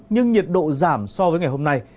nhưng nhiệt độ giảm so với ngày hôm nay